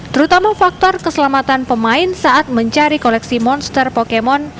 terutama faktor keselamatan pemain saat mencari koleksi monster pokemon